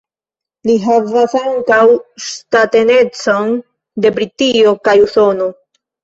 Li havas ankaŭ ŝtatanecon de Britio kaj Usono.